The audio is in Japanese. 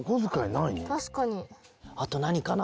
あとなにかな。